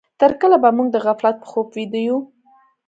تر کله به موږ د غفلت په خوب ويده يو؟